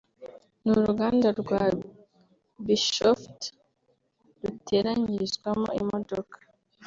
n’uruganda rwa Bishoftu ruteranyirizwamo imodoka